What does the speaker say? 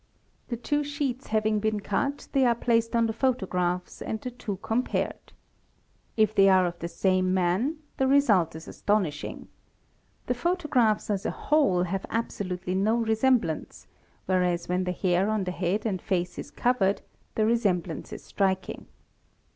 The two sheets having been cut they a e placed on the photographs and the two compared. If they are of the same man the result is astonishing; the photographs as a whole have absolutely no resemblance whereas when the hair on the head and face is covered the resemblance is striking.